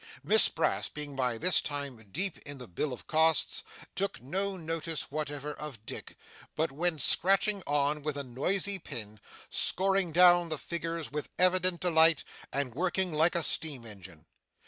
Miss Brass being by this time deep in the bill of costs, took no notice whatever of Dick, but went scratching on, with a noisy pen, scoring down the figures with evident delight, and working like a steam engine.